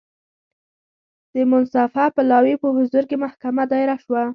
د منصفه پلاوي په حضور کې محکمه دایره شوه.